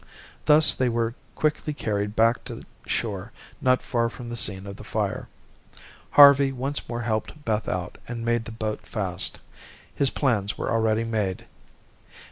Thus they were quickly carried back to shore not far from the scene of the fire. Harvey once more helped Beth out, and made the boat fast. His plans were already made.